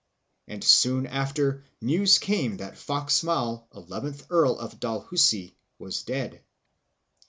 and soon after news came that Fox Maule, eleventh Earl of Dalhousie, was dead.